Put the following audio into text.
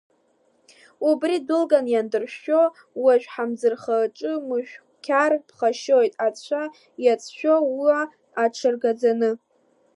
Убри дәылган иандыршәшәо уажә ҳамӡырхаҿы, мышәқьар ԥхашьоит ацәа иацәшәо, уа аҽыргаӡаны.